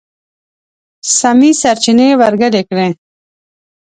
سمې سرچينې ورګډې کړئ!.